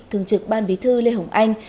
hồng trực ban bí thư lê hồng anh